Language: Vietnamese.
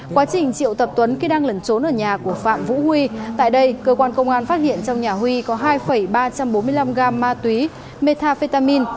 quá trình triệu tập tuấn khi đang lẩn trốn ở nhà của phạm vũ huy tại đây cơ quan công an phát hiện trong nhà huy có hai ba trăm bốn mươi năm gam ma túy metafetamin